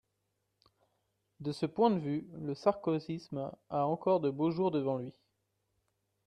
De ce point de vue, le sarkozysme a encore de beaux jours devant lui.